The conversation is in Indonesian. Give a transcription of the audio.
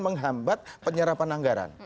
menghambat penyerapan anggaran